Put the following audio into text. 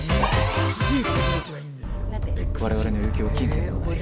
我々の要求は金銭ではない。